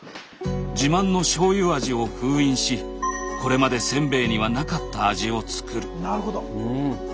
自慢の醤油味を封印しこれまでせんべいにはなかった味を作る。